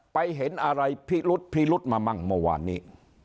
ไปเห็นอะไรพรีรุดมามั่งเมื่อวานนี้